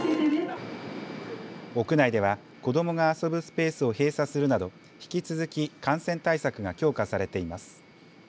屋内では子どもが遊ぶスペースを閉鎖するなど引き続き感染対策が強化されています。